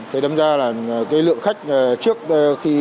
thì đâm ra là cái lượng khách